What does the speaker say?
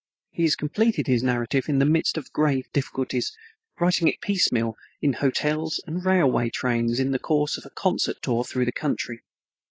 He has completed his narrative in the midst of grave difficulties, writing it piecemeal in hotels and railway trains in the course of a concert tour through the country.